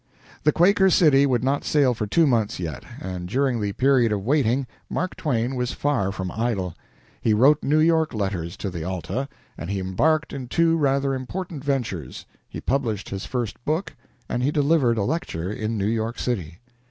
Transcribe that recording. The "Quaker City" would not sail for two months yet, and during the period of waiting Mark Twain was far from idle. He wrote New York letters to the "Alta," and he embarked in two rather important ventures he published his first book and he delivered a lecture in New York City.